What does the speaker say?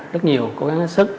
rất nhiều cố gắng hết sức